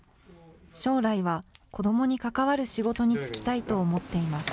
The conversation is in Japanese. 将来は子どもに関わる仕事に就きたいと思っています。